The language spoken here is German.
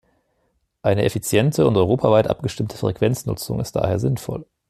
Eine effiziente und europaweit abgestimmte Frequenznutzung ist daher sinnvoll.